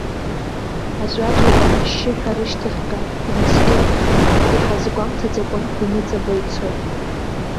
Аӡәаӡәала ашьшьыҳәа рышьҭахьҟа инаскьо, иҳазгәамҭаӡакәа, иныҵаба ицоит.